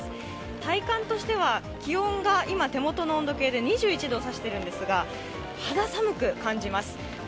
体感としては気温が手元の温度計で２１度を指しているんですが肌寒く感じます。